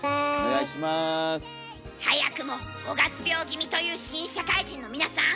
早くも五月病気味という新社会人の皆さん。